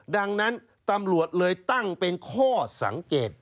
ดังนั้นตำรวจเลยตั้งเป็นข้อสังเกต